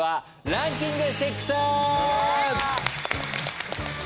［ランキング］